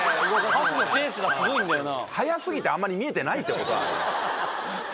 箸のペースがすごいんだよな。